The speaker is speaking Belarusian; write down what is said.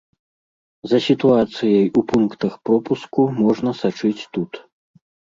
За сітуацыяй у пунктах пропуску можна сачыць тут.